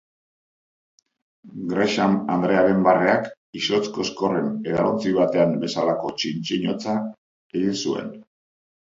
Gresham andrearen barreak izotz-kozkorrek edalontzi batean bezalako txin-txin hotsa egin zuen.